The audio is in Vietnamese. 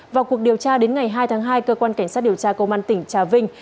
vào cuộc điều tra đến ngày hai tháng hai cơ quan cảnh sát điều tra công an tỉnh trà vinh